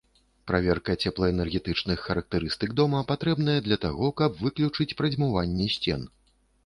Праверка цеплаэнергетычных характарыстык дома патрэбная для таго, каб выключыць прадзьмуванне сцен.